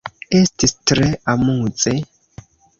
Estis tre amuze!